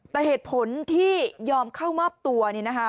แต่เหตุผลที่ยอมเข้ามอบตัวนี่นะคะ